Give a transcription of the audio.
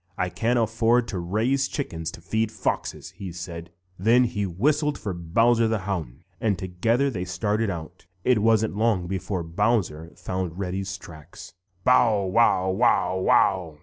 "I can't afford to raise chickens to feed foxes!" said he. Then he whistled for Bowser the Hound, and together they started out. It wasn't long before Bowser found Reddy's tracks. "Bow, wow, wow, wow!"